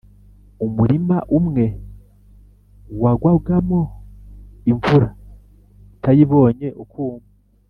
umurima umwe wagwagamo imvura, utayibonye ukuma;